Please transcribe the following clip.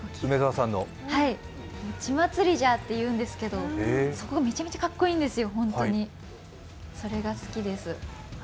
「血祭りじゃ」って言うんですけどそこがめちゃめちゃかっこいいんですよ。